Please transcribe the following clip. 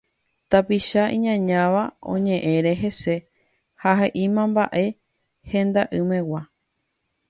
Tapicha iñañáva oñe'ẽre hese ha he'i mba'e henda'ỹmegua.